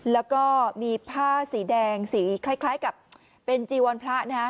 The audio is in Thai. แล้วก็มีผ้าสีแดงสีคล้ายกับเป็นจีวรพระนะฮะ